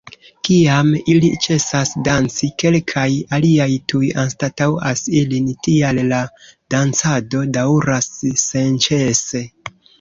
Kiam ili ĉesas "danci", kelkaj aliaj tuj anstataŭas ilin, tial la dancado daŭras senĉese.